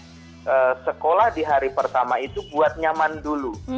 jadi pastikan bahwa anak saat sekolah di hari pertama itu buat nyaman dulu